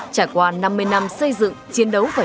trải qua năm mươi năm xây dựng chiến đấu và trưởng thống